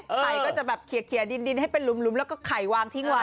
ไข่ก็จะแบบเขียดินให้เป็นหลุมแล้วก็ไข่วางทิ้งไว้